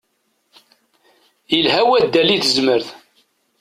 Ilha waddal i tezmert.